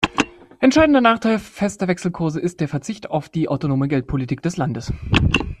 Entscheidender Nachteil fester Wechselkurse ist der Verzicht auf die autonome Geldpolitik des Landes.